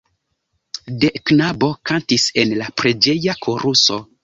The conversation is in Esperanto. De knabo kantis en la preĝeja koruso.